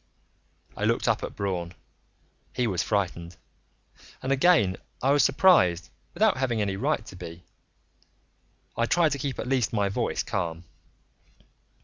I looked up at Braun. He was frightened, and again I was surprised without having any right to be. I tried to keep at least my voice calm.